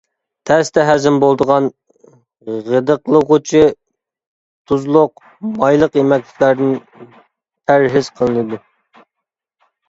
تەستە ھەزىم بولىدىغان، غىدىقلىغۇچى، تۇزلۇق، مايلىق يېمەكلىكلەردىن پەرھىز قىلىنىدۇ.